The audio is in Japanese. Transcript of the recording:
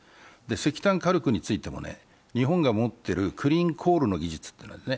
石炭火力についても日本が持っているクリーンコールの技術がありますね。